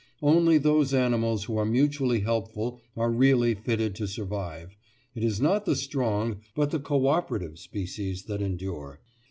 Only those animals who are mutually helpful are really fitted to survive; it is not the strong, but the co operative species that endure."